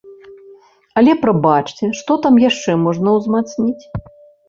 Але, прабачце, што там яшчэ можна ўзмацніць?